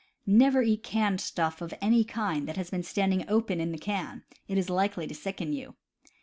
Never eat canned stuff of any kind that has been standing open in the can: it is likely to sicken you.